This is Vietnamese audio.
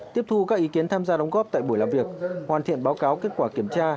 tiếp thu các ý kiến tham gia đóng góp tại buổi làm việc hoàn thiện báo cáo kết quả kiểm tra